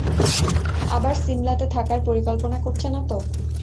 আবার সিমলাতে থাকার, পরিকল্পনা করছে না তো?